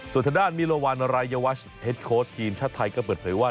ส่วนทางด้านมิรวรรณรายวัชเฮ็ดโค้ดทีมชาติไทยก็เปิดเผยว่า